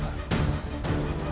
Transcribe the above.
dengan bergerak dari arah timur